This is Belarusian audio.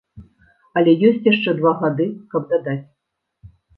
Але ёсць яшчэ два гады, каб дадаць.